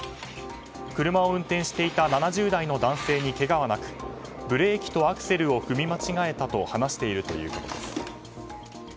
車を運転していた７０代の男性にけがはなくブレーキとアクセルを踏み間違えたと話しているということです。